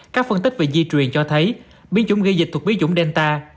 các phân tích về di truyền cho thấy biến chủng gây dịch thuộc biến chủng delta